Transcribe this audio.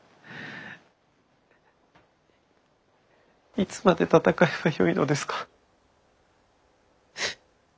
いつまで戦えばよいのですか。